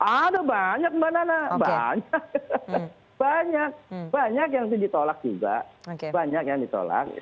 ada banyak mbak nana banyak banyak yang ditolak juga banyak yang ditolak